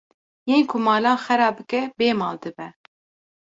Yên ku malan xera bike bê mal dibe